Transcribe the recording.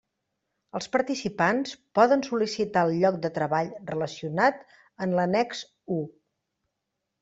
Els participants poden sol·licitar el lloc de treball relacionat en l'annex u.